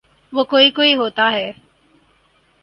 وہ کوئی کوئی ہوتا ہے۔